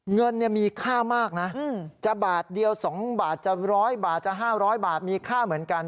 เงินมีค่ามากนะจะบาทเดียว๒บาทจะ๑๐๐บาทจะ๕๐๐บาทมีค่าเหมือนกัน